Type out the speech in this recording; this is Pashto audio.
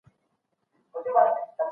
د ژوند لګښتونو سره سمون مهم دی.